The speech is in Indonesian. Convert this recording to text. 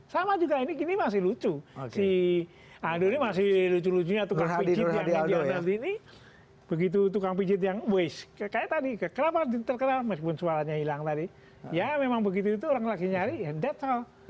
sama juga ini masih lucu si aldo ini masih lucu lucunya tukang pijit yang diandalkan ini begitu tukang pijit yang wess kayak tadi kenapa terkenal meskipun suaranya hilang tadi ya memang begitu itu orang lagi nyari and that's all